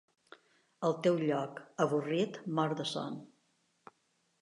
Al teu lloc, avorrit, mort de son